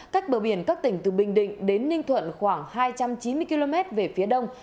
cách bờ biển các tỉnh từ bình định đến ninh thuận khoảng hai trăm chín mươi km về phía đông